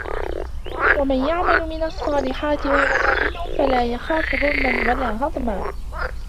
وَمَنْ يَعْمَلْ مِنَ الصَّالِحَاتِ وَهُوَ مُؤْمِنٌ فَلَا يَخَافُ ظُلْمًا وَلَا هَضْمًا